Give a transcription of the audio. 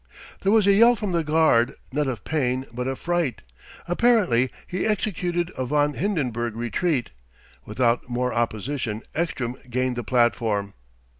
There was a yell from the guard, not of pain but of fright. Apparently he executed a von Hindenburg retreat. Without more opposition Ekstrom gained the platform.